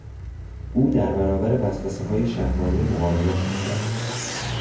او در برابر وسوسههای شهوانی مقاومت میکرد.